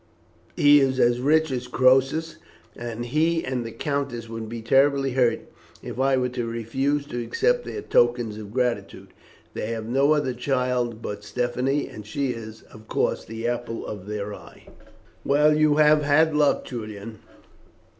He is as rich as Croesus, and he and the countess would be terribly hurt if I were to refuse to accept their tokens of gratitude. They have no other child but Stephanie, and she is, of course, the apple of their eye." "Well, you have had luck, Julian.